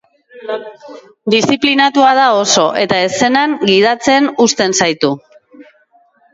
Diziplinatua da oso, eta eszenan gidatzen uzten zaitu.